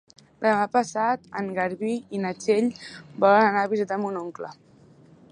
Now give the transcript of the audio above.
Demà passat en Garbí i na Txell volen anar a visitar mon oncle.